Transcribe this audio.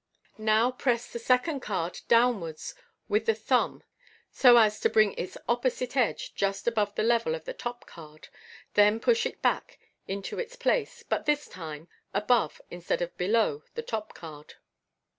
Now press the second card downwards with the thumb so as to bring its opposite Fig. 18. 32 MODERN MAGIC. edge just above the level of the top card ; then push it back into it? place, but this time above instead of below the top card.